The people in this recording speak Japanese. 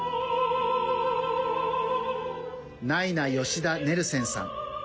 ナイナ・ヨシダ・ネルセンさん。